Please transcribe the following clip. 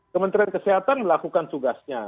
kementerian kesehatan melakukan tugasnya